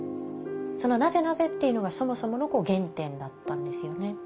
その「なぜ？なぜ？」っていうのがそもそもの原点だったんですよね。